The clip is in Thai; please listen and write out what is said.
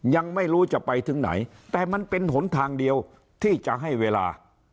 ยังไม่รู้จะไปถึงไหนแต่มันเป็นหนทางเดียวที่จะให้เวลา